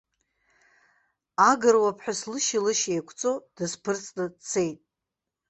Агыруа ԥҳәыс лышьи-лышьи еиқәҵо, дысԥырҵны дцеит.